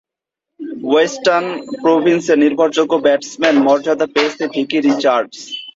Western প্রভিন্সের নির্ভরযোগ্য ব্যাটসম্যানের মর্যাদা পেয়েছেন ডিকি রিচার্ডস।